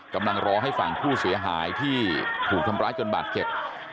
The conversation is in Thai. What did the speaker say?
กำลังรอให้ฝั่งผู้เสียหายที่ถูกทำร้ายจนบาดเจ็บ